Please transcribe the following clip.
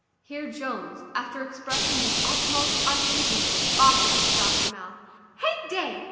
Here Jones, after expressing the utmost uneasiness, offered to stop her mouth: "Hey day!